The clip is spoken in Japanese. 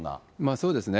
そうですね。